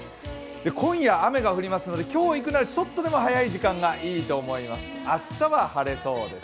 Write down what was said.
今夜雨が降りますので、今日行くならちょっとでも早い時間がよさそうです。